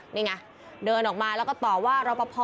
นี่ไงเดินออกมาแล้วก็ต่อว่ารอปภ